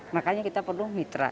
makanya kita perlu mitra